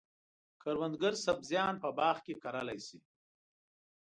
کروندګر سبزیان په باغ کې کرلای شي.